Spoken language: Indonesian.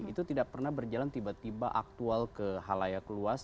itu tidak pernah berjalan tiba tiba aktual ke halayak luas